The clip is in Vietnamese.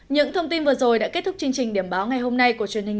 những thông tin vừa rồi đã kết thúc chương trình điểm báo ngày hôm nay